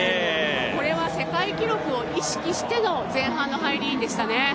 これは世界記録を意識しての前半の入りでしたね。